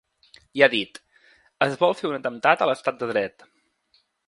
I ha dit: Es vol fer un atemptat a l’estat de dret.